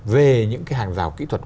về những cái hàng rào kỹ thuật